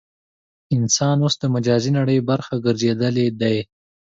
انسان اوس د مجازي نړۍ برخه ګرځېدلی دی.